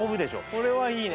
これはいいね